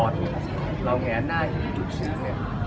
เพราะอย่างที่คุณกัน